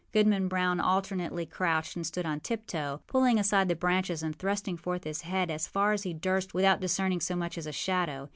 Goodman Brown alternately crouched and stood on tiptoe, pulling aside the branches and thrusting forth his head as far as he durst without discerning so much as a shadow.